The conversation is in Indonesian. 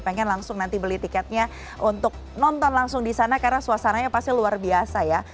pengen langsung nanti beli tiketnya untuk nonton langsung di sana karena suasananya pasti luar biasa ya